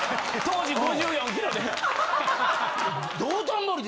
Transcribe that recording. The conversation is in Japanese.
当時５４キロで。